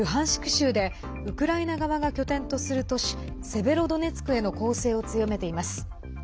州でウクライナ側が拠点とする都市セベロドネツクへの攻勢を強めています。